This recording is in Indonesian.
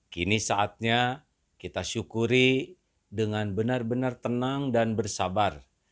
kini saatnya kita syukuri dengan benar benar tenang dan bersabar